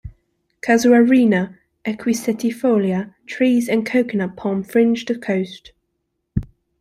"Casuarina equisetifolia" trees and Coconut palms fringe the coast.